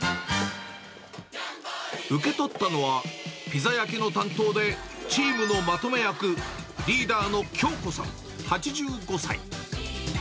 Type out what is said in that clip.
受け取ったのは、ピザ焼きの担当でチームのまとめ役、リーダーの京子さん８５歳。